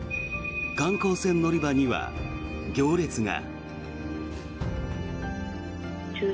観光船乗り場には行列が。